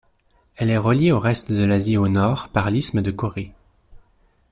Elle est reliée au reste de l'Asie au nord par l'isthme de Corée.